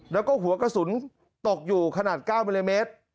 แล้วก็หัวกระสุนตกอยู่ขนาด๙มิลลิเมตร